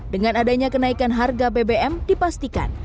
dengan adanya kenaikan harga bbm dipastikan